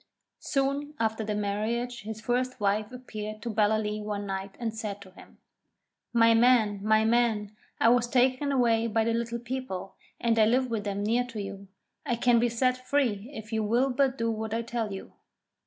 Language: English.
Soon after the marriage his first wife appeared to Ballaleece one night, and said to him: 'My man, my man, I was taken away by the Little People, and I live with them near to you. I can be set free if you will but do what I tell you.'